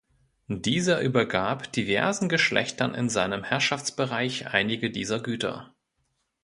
Dieser übergab diversen Geschlechtern in seinem Herrschaftsbereich einige dieser Güter.